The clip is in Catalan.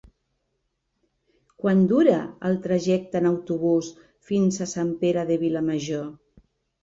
Quant dura el trajecte en autobús fins a Sant Pere de Vilamajor?